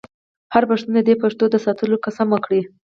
هر پښتون دې د پښتو د ساتلو قسم وکړي.